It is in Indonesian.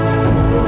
aku ingin tahu ibu